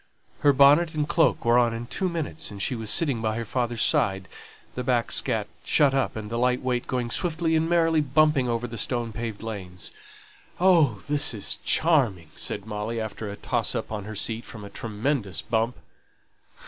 Her bonnet and cloak were on in two minutes, and she was sitting by her father's side, the back seat shut up, and the light weight going swiftly and merrily bumping over the stone paved lanes. "Oh, this is charming!" said Molly, after a toss up on her seat from a tremendous bump.